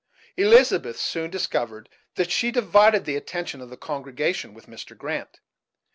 Elizabeth soon discovered that she divided the attention of the congregation with Mr. Grant.